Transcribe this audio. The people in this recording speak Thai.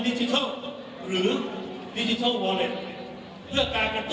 ส่วนตัวเลขขออุ้มไว้ก่อนนะครับ